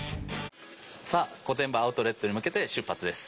さあ御殿場アウトレットに向けて出発です。